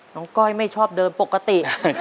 ก้อยไม่ชอบเดินปกติ